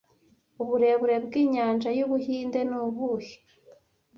Uburebure bw'inyanja y'Ubuhinde ni ubuhe